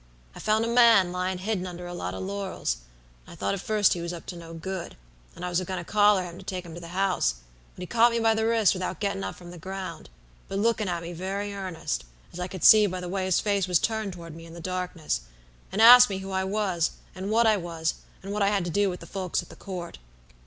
I found a man lyin' hidden under a lot o' laurels, and I thought at first he was up to no good, and I was a goin' to collar him to take him to the house, when he caught me by the wrist without gettin' up from the ground, but lookin' at me very earnest, as I could see by the way his face was turned toward me in the darkness, and asked me who I was, and what I was, and what I had to do with the folks at the Court.